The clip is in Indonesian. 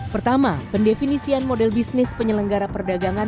pertama pendefinisian model bisnis penyelenggara perdagangan